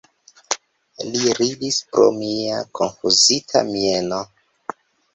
Li ridis pro mia konfuzita mieno.